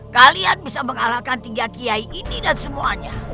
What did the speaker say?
kalian bisa mengalahkan tiga kiai ini dan semuanya